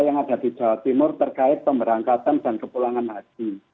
yang ada di jawa timur terkait pemberangkatan dan kepulangan haji